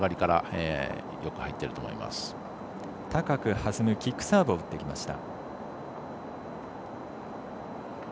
高く弾むキックサーブを打ってきました。